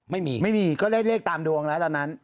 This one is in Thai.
ไม่มีไม่มีก็ได้เลขตามดวงแล้วตอนนั้น